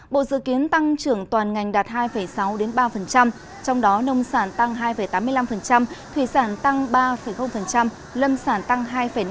bộ dự kiến tăng trưởng toàn ngành đạt hai sáu ba trong đó nông sản tăng hai tám mươi năm thủy sản tăng ba lâm sản tăng hai năm